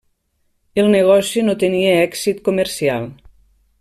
El negoci no tenia èxit comercial.